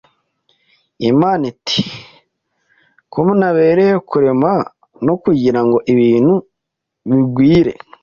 Imana iti Ko nabereyeho kurema no kugirango ibintu bigwire,